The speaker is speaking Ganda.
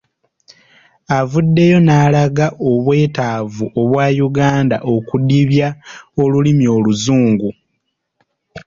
Avuddeyo n’alaga obwetaavu obwa Uganda okudibya olulimi Oluzungu.